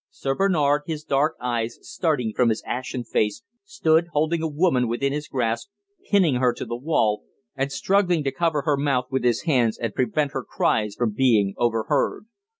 Sir Bernard, his dark eyes starting from his ashen face, stood, holding a woman within his grasp, pinning her to the wall, and struggling to cover her mouth with his hands and prevent her cries from being overheard.